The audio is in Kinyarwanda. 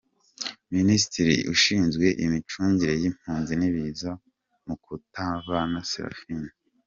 Minisitiri Ushinzwe Imicungire y’Impunzi n’Ibiza: Mukantabana Seraphine.